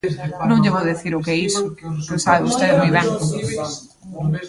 Non lle vou dicir o que é iso, que o sabe vostede moi ben.